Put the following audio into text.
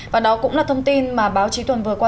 và đó cũng là thông tin mà báo chí tuần vừa qua